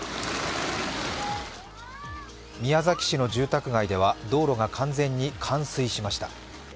宮崎市の住宅街では道路が完全に冠水しました。